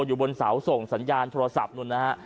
อยู่บนเสาส่งสัญญาณโทรศัพท์นู่นนะฮะ